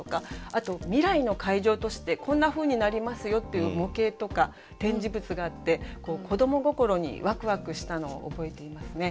あと未来の海上都市ってこんなふうになりますよっていう模型とか展示物があって子ども心にワクワクしたのを覚えていますね。